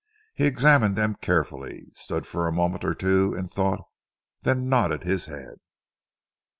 He examined them carefully, stood for a minute or two in thought, then nodded his head.